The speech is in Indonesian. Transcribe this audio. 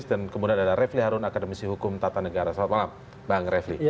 dan kemudian ada refli harun akademisi hukum tata negara selamat malam bang refli